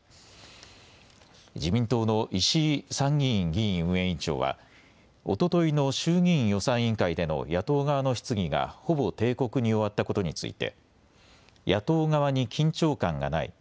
自民党の石井参議院議院運営委員長はおとといの衆議院予算委員会での野党側の質疑がほぼ定刻に終わったことについて野党側に緊張感がない。